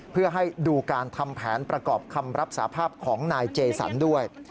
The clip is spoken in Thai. เพื่อให้ดูการทำแผนประกอบคำรับสาภาพของนายเจสันด้วย